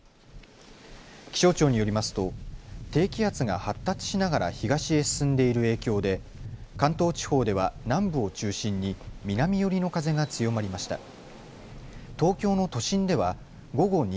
気象庁によりますと低気圧が発達しながら東へ進んでいる影響で関東地方では南部を中心に南寄りの風が強まりました。